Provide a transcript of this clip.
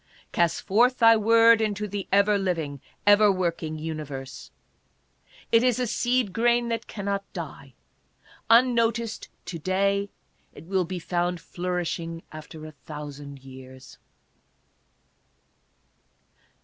" Cast forth thy word into the ever living, ever working uni verse ; it is a seed grain that cannot die ; unnoticed to day, it will be found flourishing afte. a thousand years."